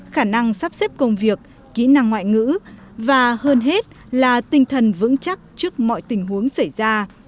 khả năng sắp xếp công việc kỹ năng ngoại ngữ và hơn hết là tinh thần vững chắc trước mọi tình huống xảy ra